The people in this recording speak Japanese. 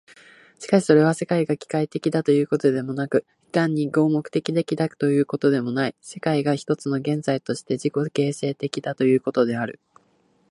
しかしそれは、世界が機械的だということでもなく、単に合目的的だということでもない、世界が一つの現在として自己形成的だということである。